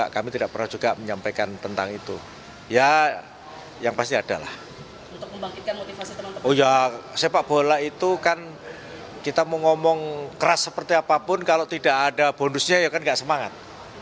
keras seperti apapun kalau tidak ada bonusnya ya kan gak semangat